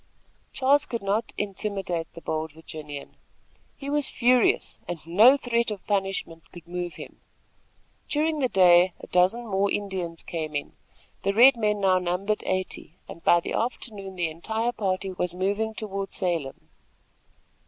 Charles could not intimidate the bold Virginian. He was furious, and no threat of punishment could move him. During the day, a dozen more Indians came in. The red men now numbered eighty, and by the afternoon the entire party was moving toward Salem.